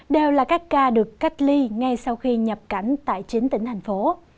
đều là các ca được cách ly ngay sau khi nhập cảnh tại chín tỉnh thành phố